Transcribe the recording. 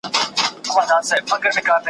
لېونوته په کار نه دي تعبیرونه `